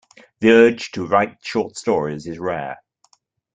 The urge to write short stories is rare.